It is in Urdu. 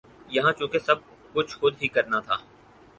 یہاں چونکہ سب کچھ خود ہی کرنا تھا